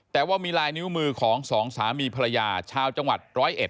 แต่ว่ามีลายนิ้วมือของสองสามีภรรยาชาวจังหวัดร้อยเอ็ด